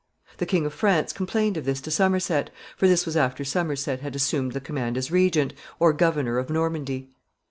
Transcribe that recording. The King of France complained of this to Somerset, for this was after Somerset had assumed the command as regent, or governor of Normandy.